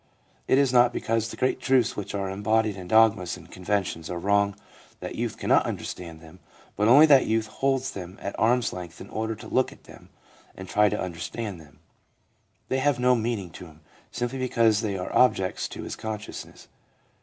It is not because the great truths which are embodied in dogmas and conventions are wrong that youth cannot understand them, but only that youth holds them at arm's length in order to look at them and try to under stand them. They have no meaning to him, simply because they are objects to his consciousness.